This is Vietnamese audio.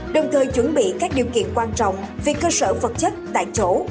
đồng thời chuẩn bị các điều kiện quan trọng về cơ sở vật chất tại chỗ